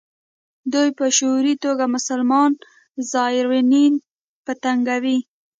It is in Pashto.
دوی په شعوري توګه مسلمان زایرین په تنګوي.